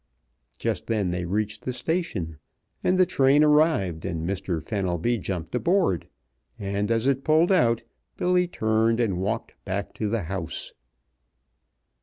Just then they reached the station and the train arrived and Mr. Fenelby jumped aboard, and as it pulled out Billy turned and walked back to the house.